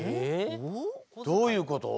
どういうこと？